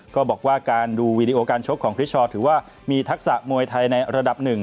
ก็บอกว่าการดูวีดีโอการชกของคริชชอถือว่ามีทักษะมวยไทยในระดับหนึ่ง